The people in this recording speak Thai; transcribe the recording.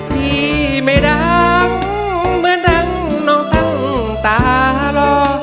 พี่ไม่ดังเหมือนดังน้องตั้งตารอ